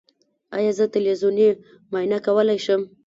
ایا زه تلویزیوني معاینه کولی شم؟